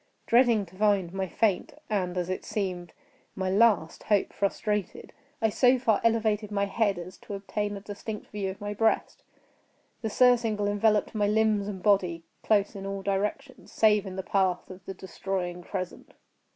Dreading to find my faint, and, as it seemed, my last hope frustrated, I so far elevated my head as to obtain a distinct view of my breast. The surcingle enveloped my limbs and body close in all directions—save in the path of the destroying crescent.